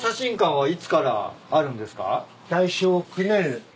はい。